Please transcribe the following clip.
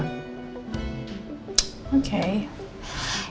kalau lagi sudah pak